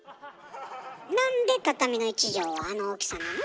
なんで畳の１畳はあの大きさなの？